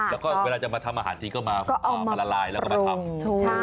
แล้วก็เวลาจะมาทำอาหารทีก็มาละลายแล้วก็มาทำถูก